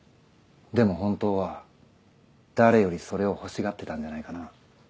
でも本当は誰よりそれを欲しがってたんじゃないかな。